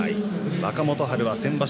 若元春は先場所